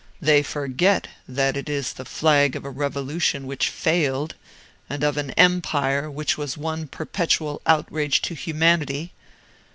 They forget that it is the flag of a revolution which failed, and of an empire which was one perpetual outrage to humanity.